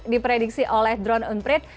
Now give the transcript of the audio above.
diprediksi oleh drone unprint